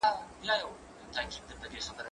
دا اوبه له هغو تازه دي!.